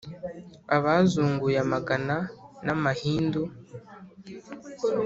ubazunguye amagana na mahindu.